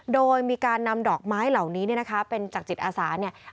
โดยมีการนำดอกไม้เหล่านี้เนี่ยนะคะเป็นจากจิตอาสาเนี่ย